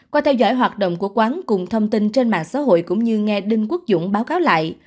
qua theo dõi hoạt động của quán cùng thông tin trên mạng xã hội cũng như nghe đinh quốc dũng báo cáo lại